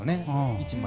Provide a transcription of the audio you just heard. １枚。